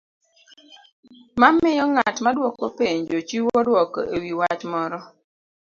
mamiyo ng'at maduoko penjo chiwo dwoko e wi wach moro.